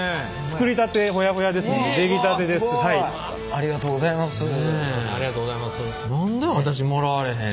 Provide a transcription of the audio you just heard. ありがとうございます。